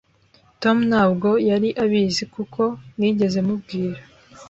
Tom ntabwo yari abizi kuko ntigeze mubwira.